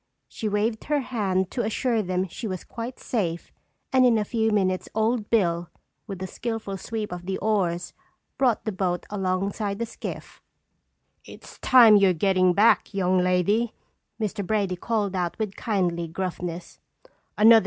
She waved her hand to assure them she was quite safe and in a few minutes, Old Bill, with a skillful sweep of the oars, brought the boat alongside the skiff. "It's time you're getting back, young lady!" Mr. Brady called out with kindly gruffness.